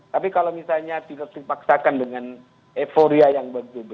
tapi kalau misalnya tidak dipaksakan dengan euforia yang berbeda